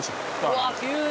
うわあ急に。